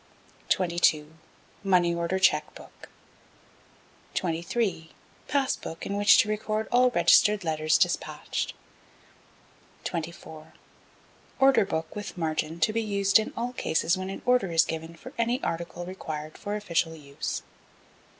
22. Money Order Cheque Book. 23. Pass Book in which to record all Registered Letters despatched. 24. Order Book with margin to be used in all cases when an order is given for any article required for official use.